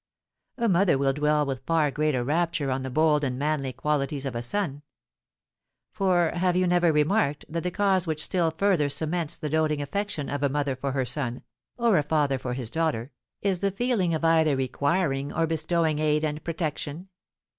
A mother will dwell with far greater rapture on the bold and manly qualities of a son. For have you never remarked that the cause which still further cements the doting affection of a mother for her son, or a father for his daughter, is the feeling of either requiring or bestowing aid and protection?